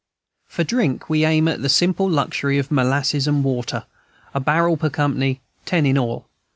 For drink we aim at the simple luxury of molasses and water, a barrel per company, ten in all.